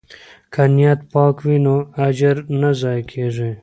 که نیت پاک وي نو اجر نه ضایع کیږي.